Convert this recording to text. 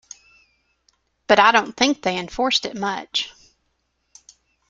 But I don't think they enforced it much.